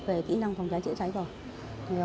về kỹ năng phòng cháy chữa cháy rồi